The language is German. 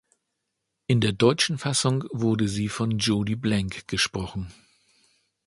In der deutschen Fassung wurde sie von Jodie Blank gesprochen.